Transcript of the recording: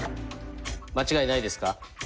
間違いないですか？